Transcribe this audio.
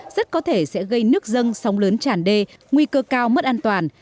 rất có thể sẽ gây nước dâng sóng lớn tràn đê nguy cơ cao mất an toàn